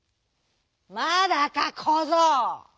「まだかこぞう！」。